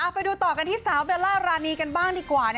ไปดูต่อกันที่สาวเบลล่ารานีกันบ้างดีกว่า